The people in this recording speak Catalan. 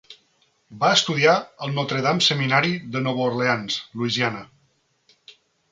Va estudiar al Notre Dame Seminary de Nova Orleans, Louisiana.